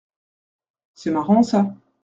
C’est marrant ça.